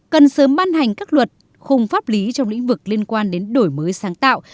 cần sớm ban hành các luật khung pháp lý trong lĩnh vực liên quan đến đổi mới sáng tạo